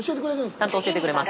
ちゃんと教えてくれます。